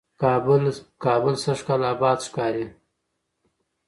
کابل سږکال آباد ښکاري،